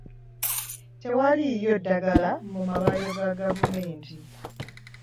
Tewaliiyo ddagala mu malwaliro ga gavumenti.